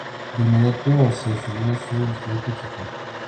De inmediato se subió a su bicicleta y se fue.